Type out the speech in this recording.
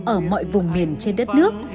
ở mọi vùng miền trên đất nước